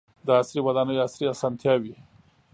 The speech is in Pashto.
• د عصري ودانیو عصري اسانتیاوې.